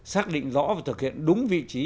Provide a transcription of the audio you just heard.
xác định rõ và thực hiện đúng vị trí